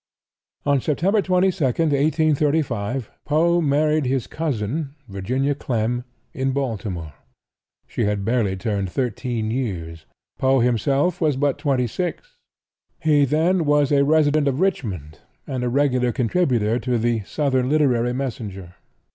On September 22, 1835, Poe married his cousin, Virginia Clemm, in Baltimore. She had barely turned thirteen years, Poe himself was but twenty six. He then was a resident of Richmond and a regular contributor to the "Southern Literary Messenger."